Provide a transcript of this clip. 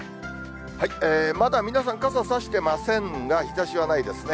まだ皆さん、傘差してませんが、日ざしはないですね。